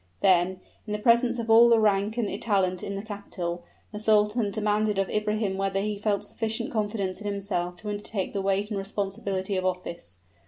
Then, in the presence of all the rank and talent in the capital, the sultan demanded of Ibrahim whether he felt sufficient confidence in himself to undertake the weight and responsibility of office.